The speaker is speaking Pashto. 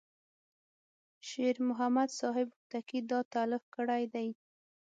شیر محمد صاحب هوتکی دا تألیف کړی دی.